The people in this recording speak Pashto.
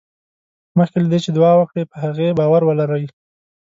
مخکې له دې چې دعا وکړې په هغې باور ولرئ.